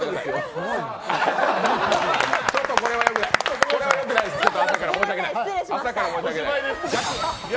ちょっと、これはよくない、朝から申し訳ない。